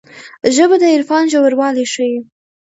ژبه د عرفان ژوروالی ښيي